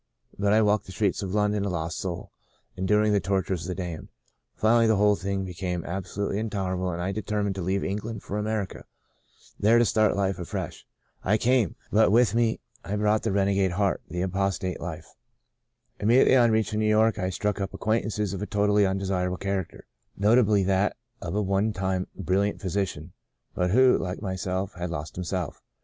But I walked the streets of London a lost soul — enduring the tortures of the damned. Finally, the whole thing be came absolutely intolerable and I determined to leave England for America, there to start life afresh. I came. But with me I brought l8o The Second Spring the renegade heart — the apostate life. Im mediately on reaching New York I struck up acquaintances of a totally undesirable character — notably that of a one time bril liant physician, but who, like myself, had lost himself.